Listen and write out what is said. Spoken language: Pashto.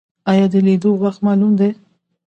ایا د لیدلو وخت معلوم دی؟